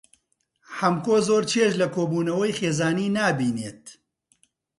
حەمکۆ زۆر چێژ لە کۆبوونەوەی خێزانی نابینێت.